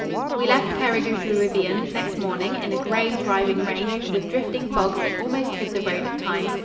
We left Cerrig y Druidion next morning in a gray, driving rain, with drifting fogs that almost hid the road at times.